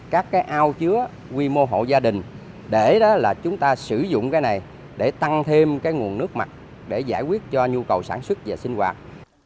các cái ao chứa quy mô hộ gia đình để đó là chúng ta sử dụng cái này để tăng thêm cái nguồn nước mặt để giải quyết cho nhu cầu sản xuất và sinh hoạt